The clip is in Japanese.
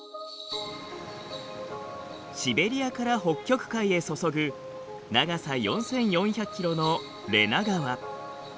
シベリアから北極海へ注ぐ長さ４，４００キロのレナ川。